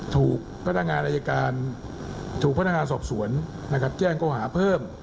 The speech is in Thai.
ถูกพัฒนางานอายการถูกพัฒนางานสอบสวนแจ้งข้อหาฐานเพิ่ม